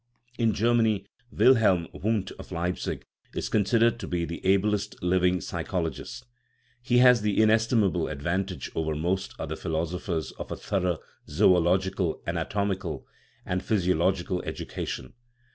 In Germany, Wilhelm Wundt, of Leipzig, is consid ered to be the ablest living psychologist ; he has the in estimable advantage over most other philosophers of a thorough zoological, anatomical, and physiological ed ucation.